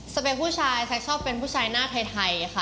จะเป็นผู้ชายแซคชอบเป็นผู้ชายหน้าไทยค่ะ